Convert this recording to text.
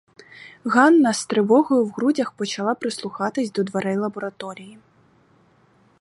Ганна з тривогою в грудях почала прислухатись до дверей лабораторії.